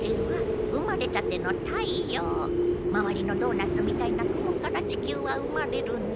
まわりのドーナツみたいな雲から地球は生まれるんじゃ。